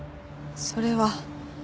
それは。